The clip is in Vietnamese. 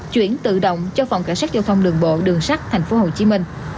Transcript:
chuyển tự động cho phòng cảnh sát giao thông đường bộ đường sắt tp hcm